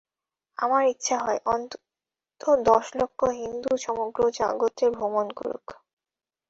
আমার ইচ্ছা হয়, অন্তত দশ লক্ষ হিন্দু সমগ্র জগতে ভ্রমণ করুক।